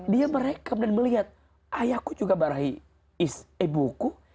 dia merekam dan melihat ayahku juga barahi ibuku